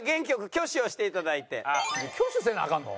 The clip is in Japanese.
挙手せなアカンの？